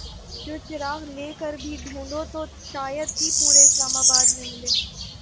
جو چراغ لے کر بھی ڈھونڈو تو شاید ہی پورے اسلام آباد میں ملے ۔